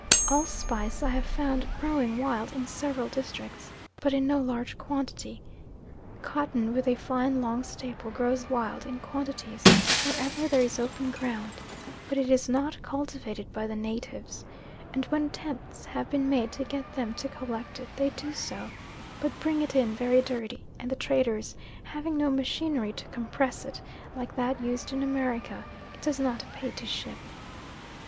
Allspice I have found growing wild in several districts, but in no large quantity. Cotton with a fine long staple grows wild in quantities wherever there is open ground, but it is not cultivated by the natives; and when attempts have been made to get them to collect it they do so, but bring it in very dirty, and the traders having no machinery to compress it like that used in America, it does not pay to ship.